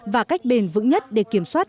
và cách bền vững nhất để kiểm soát